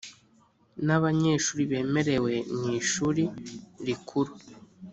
Ni abanyeshuri bemerewe mu Ishuri Rikuru